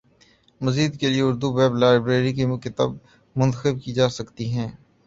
مزید کے لیے اردو ویب لائبریری کی کتب منتخب کی جا سکتی ہیں